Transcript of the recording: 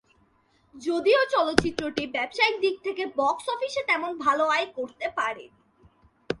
যদিও চলচ্চিত্রটি ব্যবসায়িক দিক থেকে বক্স অফিসে তেমন ভাল আয় করতে পারেনি।